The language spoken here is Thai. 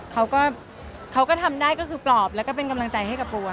เขาก็ทำได้ก็คือปลอบแล้วก็เป็นกำลังใจให้กับปูอะค่ะ